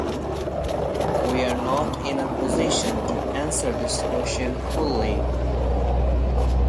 We are not in a position to answer this question fully.